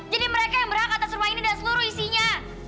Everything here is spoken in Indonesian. jadi mereka yang berhak atas rumah ini dan seluruh isinya